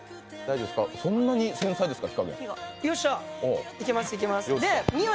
そんなに繊細ですか？